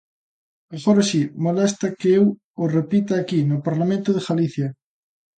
Agora si, molesta que eu o repita aquí, no Parlamento de Galicia.